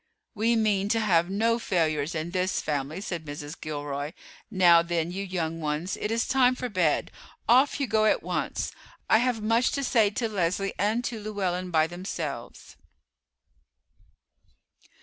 "We mean to have no failures in this family," said Mrs. Gilroy. "Now, then, you young ones, it is time for bed; off you go at once. I have much to say to Leslie and to Llewellyn by themselves."